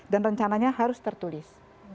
dan rencananya harus tertulis